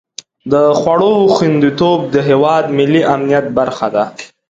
د خوړو خوندیتوب د هېواد ملي امنیت برخه ده.